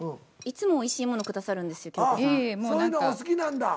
いつもおいしいものくださるんですよ京子さん。